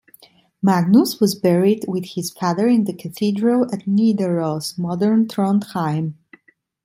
Magnus was buried with his father in the cathedral at Nidaros, modern Trondheim.